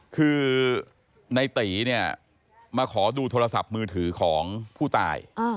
คือในตีเนี่ยมาขอดูโทรศัพท์มือถือของผู้ตาย